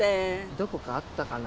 どこかあったかな？